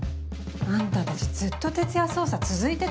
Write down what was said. あんたたちずっと徹夜捜査続いてたじゃん。